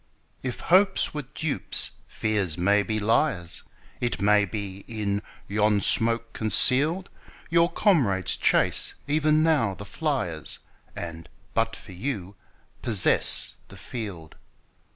If hopes were dupes, fears may be liars; 5 It may be, in yon smoke conceal'd, Your comrades chase e'en now the fliers, And, but for you, possess the field.